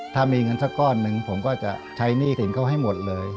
ถ้ามีเงินสักก้อนหนึ่งผมก็จะใช้หนี้สินเขาให้หมดเลย